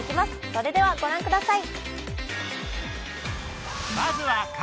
それではご覧ください。